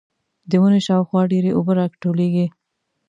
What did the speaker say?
د ونې شاوخوا ډېرې اوبه راټولېږي.